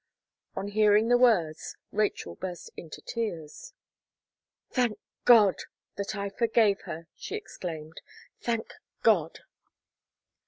On hearing the words, Rachel burst into tears. "Thank God! That I forgave her!" she exclaimed, "thank God!"